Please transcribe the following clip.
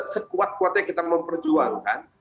sekuat kuatnya kita memperjuangkan